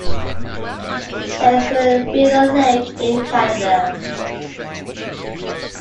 There is a Bieler lake in Canada.